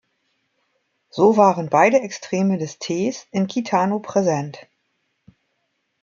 So waren beide Extreme des Tees in Kitano präsent.